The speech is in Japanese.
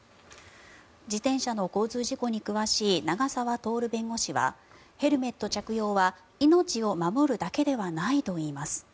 自転車の交通事故に詳しい永沢徹弁護士はヘルメット着用は命を守るだけではないと言います。